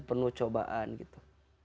penuh cobaan gitu